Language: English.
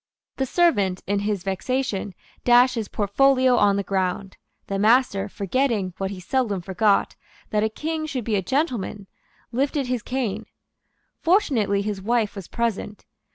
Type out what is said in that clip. The servant, in his vexation, dashed his portfolio on the ground. The master, forgetting, what he seldom forgot, that a King should be a gentleman, lifted his cane. Fortunately his wife was present.